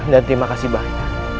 dan terima kasih banyak